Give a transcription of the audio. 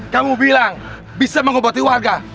kamu bilang bisa mengobati warga